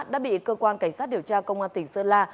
đã bị cơ quan cảnh sát điều tra công an tỉnh sơn la